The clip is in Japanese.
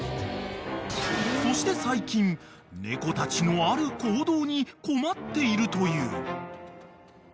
［そして最近猫たちのある行動に困っているという］